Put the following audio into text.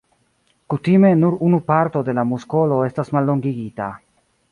Kutime nur unu parto de la muskolo estas mallongigita.